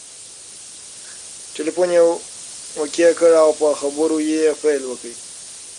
ټلیفون یې اوکې کړ او په خبرو یې پیل وکړ.